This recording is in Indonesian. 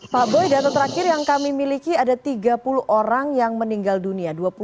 pak boy data terakhir yang kami miliki ada tiga puluh orang yang meninggal dunia